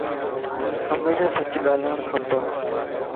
ھميشا سچ ڳالاڙ کپ